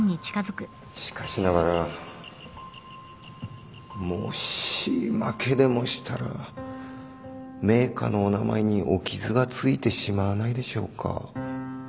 しかしながらもし負けでもしたら名家のお名前にお傷が付いてしまわないでしょうか？